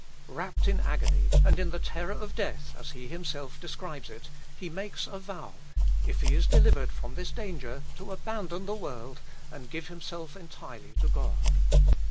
"Wrapt in agony, and in the terror of death," as he himself describes it, he makes a vow, if he is delivered from this danger to abandon the world, and give himself entirely to God.